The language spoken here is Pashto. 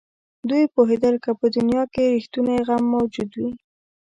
دوی پوهېدل که په دنیا کې رښتونی غم موجود وي.